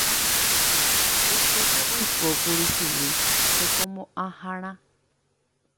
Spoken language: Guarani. Upépe oikókuri chugui Tekomoʼãhára.